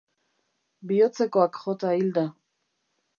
Bihotzekoak jota hil da.